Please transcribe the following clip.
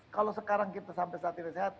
kalau sekarang kita sampai saat ini sehat